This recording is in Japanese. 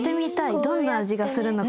どんな味がするのか。